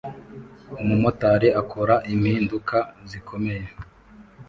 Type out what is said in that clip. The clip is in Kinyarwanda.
Umumotari akora impinduka zikomeye